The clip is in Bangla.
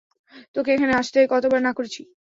তোকে এখানে আসতে কতবার না করেছি?